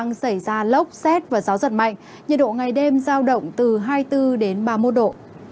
nhiệt độ ngày đêm giao động từ hai mươi bốn đến ba mươi một độ